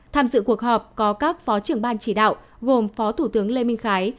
tham dự cuộc họp có các phó trưởng ban chỉ đạo gồm phó thủ tướng lê minh khái